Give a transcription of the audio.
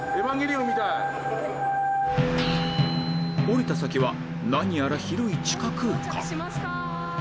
降りた先は何やら広い地下空間